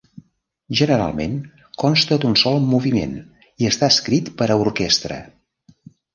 Generalment consta d'un sol moviment i està escrit per a orquestra.